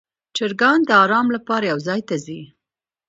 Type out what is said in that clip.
چرګان د آرام لپاره یو ځای ته ځي.